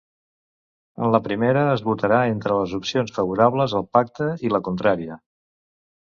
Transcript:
En la primera, es votarà entre les opcions favorables al pacte i la contrària.